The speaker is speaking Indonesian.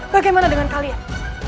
bagaimana dengan kalian